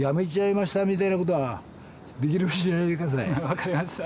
分かりました。